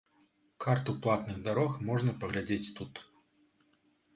Карту платных дарог можна паглядзець тут.